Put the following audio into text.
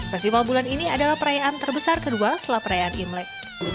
festival bulan ini adalah perayaan terbesar kedua setelah perayaan imlek